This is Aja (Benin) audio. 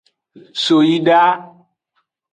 So yi da.